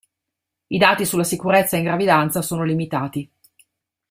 I dati sulla sicurezza in gravidanza sono limitati.